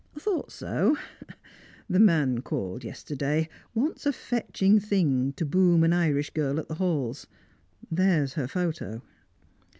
"I thought so. The man called yesterday wants a fetching thing to boom an Irish girl at the halls. There's her photo."